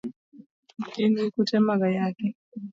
In gi kute mag ayaki.